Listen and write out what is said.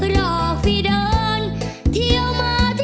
รอกพี่เดินเที่ยวมาเที่ยวไป